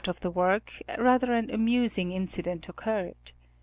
of the work, rather an amusing incident occurred.